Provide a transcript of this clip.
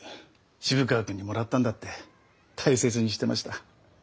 渋川君にもらったんだって大切にしてました。